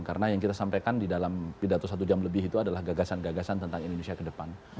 karena yang kita sampaikan di dalam pidato satu jam lebih itu adalah gagasan gagasan tentang indonesia ke depan